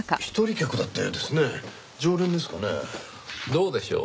どうでしょう？